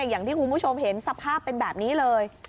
อย่างที่คุณผู้ชมเห็นสภาพเป็นแบบนี้เลย